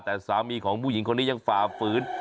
แต่สามีของผู้หญิงคนนี้ยังฝ่าฝืน